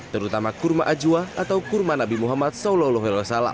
terutama kurma ajwa atau kurma nabi muhammad saw